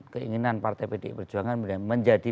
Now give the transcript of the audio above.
keinginan partai pdi perjuangan menjadi